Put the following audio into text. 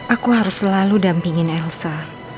aku harus selalu dampingin elsa